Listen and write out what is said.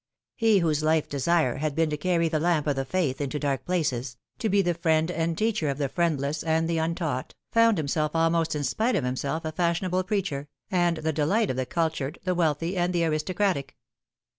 He whose life desire had been to carry the lamp of the faith into dark places, to be the friend and teacher of the friendless and the untaught, found himself almost in spite of himself a fashion able preacher, and the delight of the cultured, the wealthy, and the aristocratic.